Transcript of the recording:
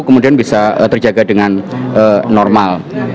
kemudian bisa terjaga dengan normal